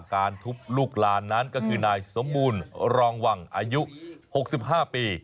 การทุบลูกลานนั้นก็คือนายสมบูรณ์รองวังอายุ๖๕ปี